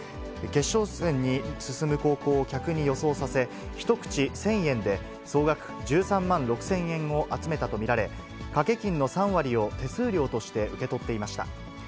決勝戦に進む高校を客に予想させ、１口１０００円で総額１３万６０００円を集めたと見られ、賭け金の３割を手数料として受け取っていました。